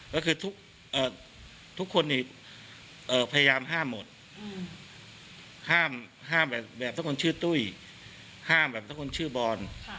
ก็คือทุกคนพยายามห้ามหมดห้ามแบบสักคนชื่อตุ้ยห้ามแบบสักคนชื่อบอล